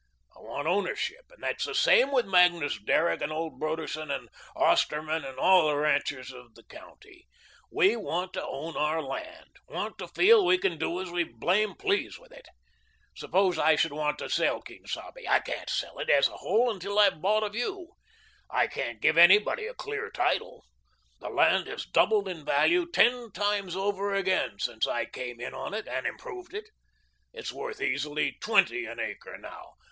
I want ownership; and it's the same with Magnus Derrick and old Broderson and Osterman and all the ranchers of the county. We want to own our land, want to feel we can do as we blame please with it. Suppose I should want to sell Quien Sabe. I can't sell it as a whole till I've bought of you. I can't give anybody a clear title. The land has doubled in value ten times over again since I came in on it and improved it. It's worth easily twenty an acre now.